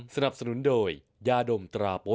สวัสดีครับ